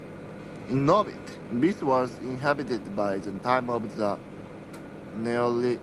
Vis was inhabited by the time of the Neolithic period.